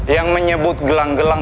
yang menyebut gelang gelang